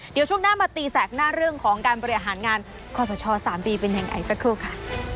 เดี๋ยวช่วงหน้ามาตีแสกหน้าเรื่องของการบริหารงานคอสช๓ปีเป็นยังไงสักครู่ค่ะ